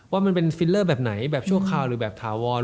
ว่ามันเป็นฟีลเลอร์แบบไหร่แบบช่วงค่าวหรือมากขึ้น